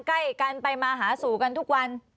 ใกล้กันไปมาหาสู่กันทุกวัน